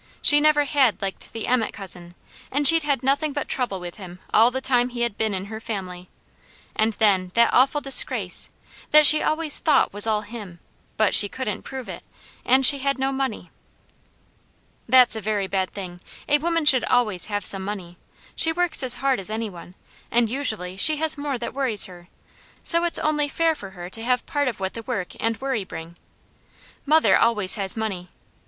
She never had liked the Emmet cousin, and she'd had nothing but trouble with him all the time he had been in her family, and then that awful disgrace, that she always THOUGHT was all him, but she couldn't prove it, and she had no money. That's a very bad thing. A woman should always have some money. She works as hard as any one, and usually she has more that worries her, so it's only fair for her to have part of what the work and worry bring. Mother always has money.